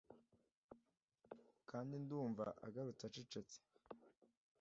Kandi ndumva agarutse acecetse